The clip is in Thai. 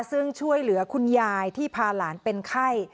ซึ่งช่วยเหลือคุณยายที่พาหลานเป็นไข้